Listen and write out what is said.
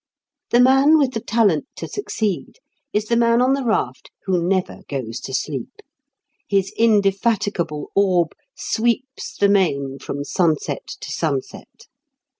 The man with the talent to succeed is the man on the raft who never goes to sleep. His indefatigable orb sweeps the main from sunset to sunset.